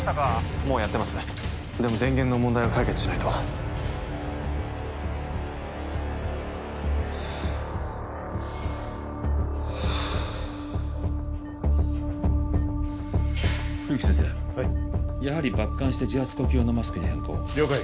もうやってますでも電源の問題を解決しないとふう冬木先生はいやはり抜管して自発呼吸用のマスクに変更了解